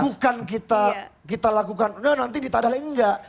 bukan kita lakukan nanti ditadalai enggak